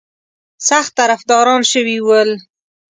سخت طرفداران شوي ول.